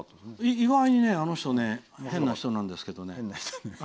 意外と、あの人変な人なんですけどね。